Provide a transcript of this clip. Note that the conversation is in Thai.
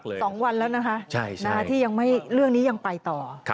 ควรทำอย่างสิ๓๒วันแล้วนะครับใช่ที่ยังไม่เรื่องนี้ยังไปต่อ